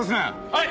はい